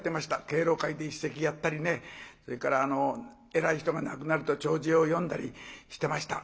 敬老会で一席やったりねそれから偉い人が亡くなると弔辞を読んだりしてました。